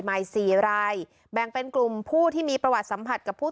สี่รายแบ่งเป็นกลุ่มผู้ที่มีประวัติสัมผัสกับผู้